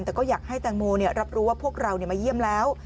แต่ก็อยากให้แตงโมรับรู้ว่าพวกเรามาเยี่ยมแล้ว